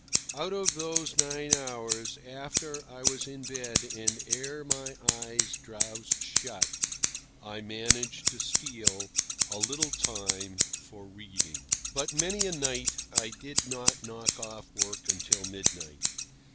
Out of those nine hours, after I was in bed and ere my eyes drowsed shut, I managed to steal a little time for reading. But many a night I did not knock off work until midnight.